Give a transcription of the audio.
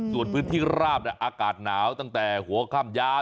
ส่วนพื้นที่ราบอากาศหนาวตั้งแต่หัวค่ำยาว